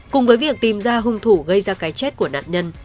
cùng với việc tìm ra hung thủ gây ra cái chết của nạn nhân